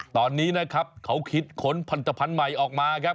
ตอนนี้นะครับเขาคิดขนพันธภัณฑ์ใหม่ออกมาครับ